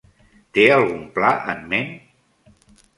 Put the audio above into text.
Té algun pla en ment?